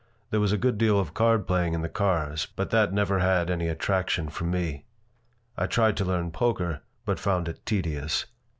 There was a good deal of card playing in the cars, but that never had any attraction for me. I tried to learn poker, but found it tedious.